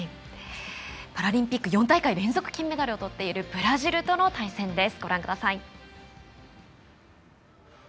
パラリンピック４大会連続金メダルのブラジルとの対戦です。